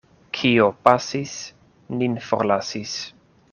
Kio pasis, nin forlasis.